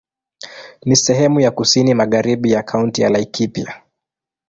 Ni sehemu ya kusini magharibi ya Kaunti ya Laikipia.